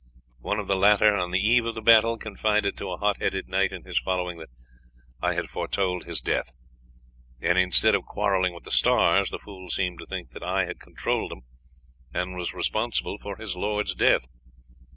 One of the latter, on the eve of the battle, confided to a hot headed knight in his following that I had foretold his death; and instead of quarrelling with the stars, the fool seemed to think that I had controlled them, and was responsible for his lord's death.